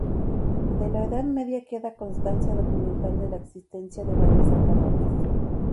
De la Edad Media queda constancia documental de la existencia de varias atalayas.